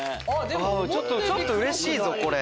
ちょっとうれしいぞこれ。